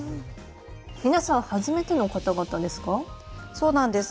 皆さん初めての方々ですか？